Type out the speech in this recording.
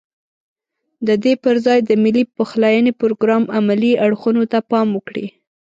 ددې پرځای د ملي پخلاينې پروګرام عملي اړخونو ته پام وکړي.